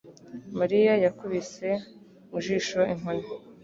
Mariya yakubise mu jisho inkoni.